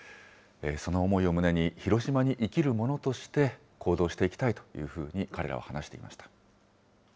その思いを胸に、広島に生きる者として、行動していきたいというふうに彼らは話していました。